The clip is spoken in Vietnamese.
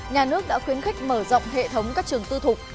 nhà nước đã khuyến khích mở rộng hệ thống các trường tư thục